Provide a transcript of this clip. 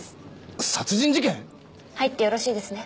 入ってよろしいですね？